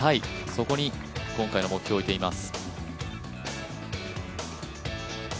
そこに今回の目標を置いています。